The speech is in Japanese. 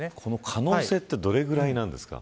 可能性ってどれぐらいなんですか。